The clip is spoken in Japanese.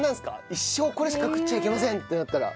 一生これしか食っちゃいけませんってなったら。